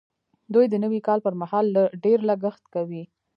دوی د نوي کال پر مهال ډېر لګښت کوي.